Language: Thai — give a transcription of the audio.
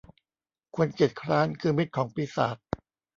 คนเกียจคร้านคือมิตรของปีศาจ